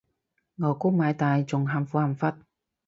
牛高馬大仲喊苦喊忽